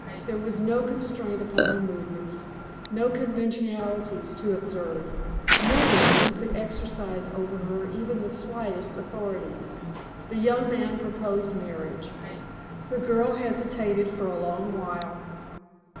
There was no constraint upon her movements, no conventionalities to observe, no one who could exercise over her even the slightest authority. The young man proposed marriage. The girl hesitated for a long while.